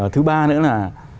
thứ ba nữa là